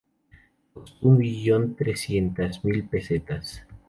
Costó un millón trescientas mil pesetas.